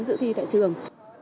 giữ thi tại trường